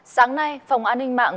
sáng nay phòng an ninh mạng